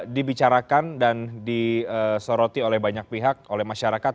dibicarakan dan disoroti oleh banyak pihak oleh masyarakat